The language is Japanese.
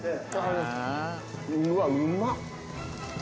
うわうまっ。